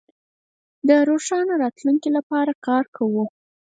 د روښانه راتلونکي لپاره کار کوو.